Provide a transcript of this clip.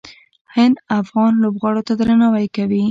هند افغان لوبغاړو ته درناوی کوي.